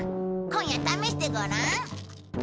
今夜試してごらん。